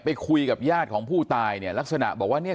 ไปคุยกับญาติของผู้ตายเนี่ยลักษณะบอกว่าเนี่ย